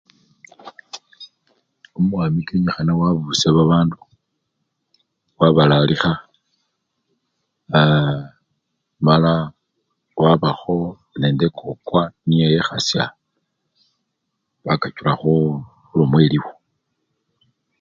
Omwami kenyikhana wabusya babandu wabalalikha aa! mala wabakho nende ekokwa niye ekhasya bakachula kho! khulomo eliwo.